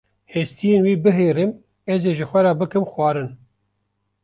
hestiyên wê bihêrim, ez ê ji xwe re bikim xwarin.